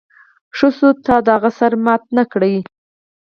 ښه شو چې تا د هغه سر مات نه کړ